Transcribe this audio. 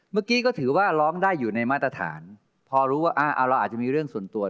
เมื่อกี้ก็ถือว่าร้องได้อยู่ในมาตรฐานพอรู้ว่าเราอาจจะมีเรื่องส่วนตัว